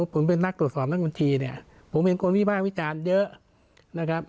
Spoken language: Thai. ผมเป็นนักโดยสอบนักบัญชีผมเป็นคนวิทยาลัยวิจารณ์เยอะ